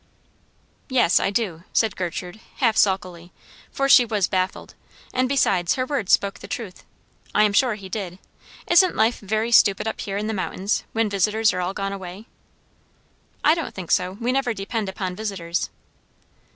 "Yes, I do," said Gertrude, half sulkily, for she was baffled, and besides, her words spoke the truth. "I am sure he did. Isn't life very stupid up here in the mountains, when visitors are all gone away?" "I don't think so. We never depend upon visitors."